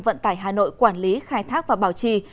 vận tải hà nội quản lý khai thác và bảo trì